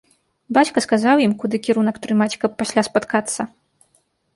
Бацька сказаў ім, куды кірунак трымаць, каб пасля спаткацца.